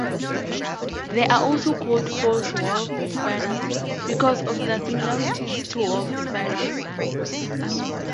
They are also called false wolf spiders, because of their similarities to wolf spiders.